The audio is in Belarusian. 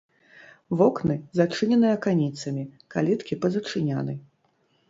Вокны зачынены аканіцамі, каліткі пазачыняны.